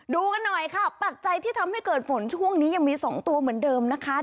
ดูกันหน่อยค่ะปัจจัยที่ทำให้เกิดฝนช่วงนี้ยังมี๒ตัวเหมือนเดิมนะคะ